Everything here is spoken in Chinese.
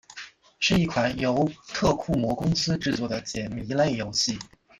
是一款由特库摩公司制作的解谜类游戏。